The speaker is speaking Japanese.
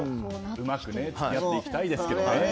うまく付き合っていきたいですね。